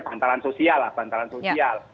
bantuan sosial lah bantuan sosial